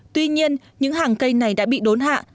tuy nhiên những hàng cây này đã bị đốn hạ